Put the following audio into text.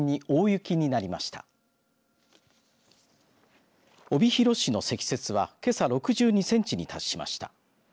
帯広市の積雪はけさ６２センチに達しました。